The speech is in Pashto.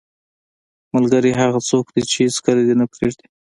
ملګری هغه څوک دی چې هیڅکله دې نه پرېږدي.